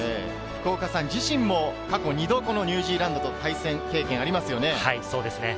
福岡さん自身も２度、ニュージーランドと対戦経験がありますね。